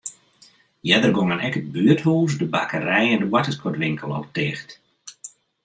Earder gongen ek it buerthûs, de bakkerij en de boartersguodwinkel al ticht.